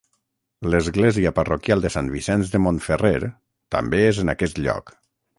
L'església parroquial de Sant Vicenç de Montferrer també és en aquest lloc.